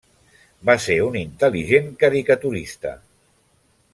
Va ser un intel·ligent caricaturista.